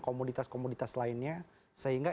komoditas komoditas lainnya sehingga